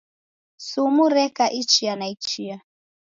Sumu reka ichia na ichia.